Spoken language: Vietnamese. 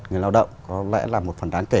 người lao động có lẽ là một phần đáng kể